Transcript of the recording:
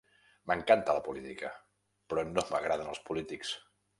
M'encanta la política, però no m'agraden els polítics.